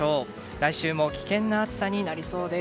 来週も危険な暑さになりそうです。